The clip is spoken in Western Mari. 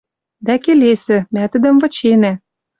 Дӓ келесӹ, мӓ тӹдӹм выченӓ